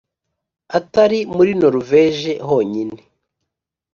Atari muri noruveje honyine